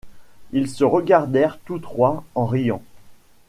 Ils se regardèrent tous trois en riant.